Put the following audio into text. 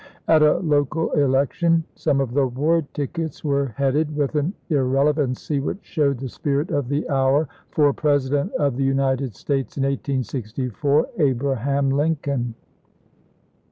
MS At a local election some of the ward tickets were headed, with an irrelevancy which showed the spirit of the hour, "For President of the United States in 1864, Abraham Lincoln."